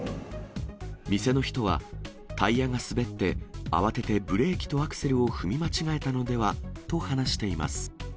店の人は、タイヤが滑って、慌ててブレーキとアクセルを踏み間違えたのではと話しています。